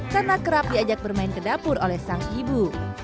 karena kerap diajak bermain ke dapur oleh sang ibu